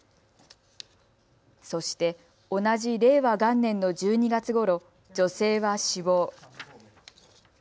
そして同じ令和元年の１２月ごろ、女性は死亡。